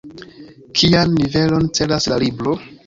Kian nivelon celas la libro?